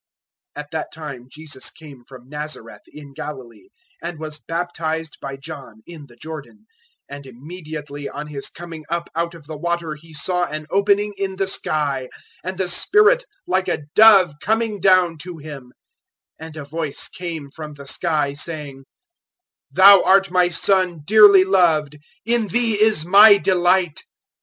001:009 At that time Jesus came from Nazareth in Galilee and was baptized by John in the Jordan; 001:010 and immediately on His coming up out of the water He saw an opening in the sky, and the Spirit like a dove coming down to Him; 001:011 and a voice came from the sky, saying, "Thou art My Son dearly loved: in Thee is My delight."